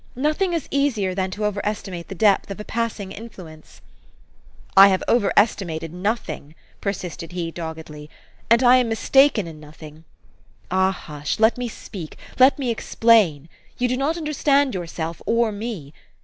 Nothing is easier than to over estimate the depth of a passing influence. " 118 THE STORY OF AVIS. "I have over estimated nothing," persisted he doggedly. " And I am mistaken in nothing. Ah, hush ! Let me speak ; let me explain. You do not understand yourself or me.